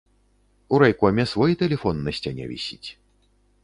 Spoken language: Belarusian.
У райкоме свой тэлефон на сцяне вісіць.